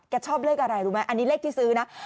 ชอบเลขอะไรรู้ไหมอันนี้เลขที่ซื้อนะ